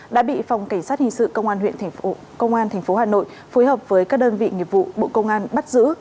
đã bị phòng cảnh sát hình sự công an tp hà nội phối hợp với các đơn vị nghiệp vụ bộ công an bắt giữ